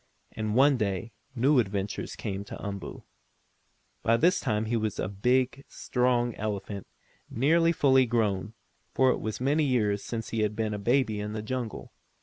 And one day new adventures came to Umboo. By this time he was a big, strong elephant, nearly fully grown, for it was now many years since he had been a baby in the jungle.